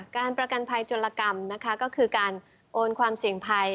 การประกันภัยจนละกรรมนะคะก็คือการโอนความเสี่ยงภัย